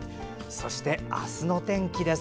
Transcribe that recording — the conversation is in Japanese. そして明日の天気です。